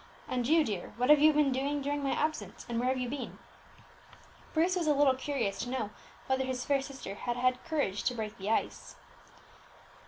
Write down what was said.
And you, dear, what have you been doing during my absence, and where have you been?" Bruce was a little curious to know whether his fair sister had had courage to "break the ice."